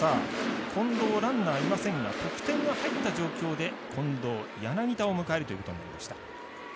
ランナーいませんが得点が入った状態で近藤、柳田を迎えるということになりました。